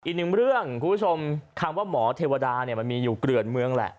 อีกหนึ่งเรื่องคุณผู้ชมคำว่าหมอเทวดาเนี่ยมันมีอยู่เกลือนเมืองแหละ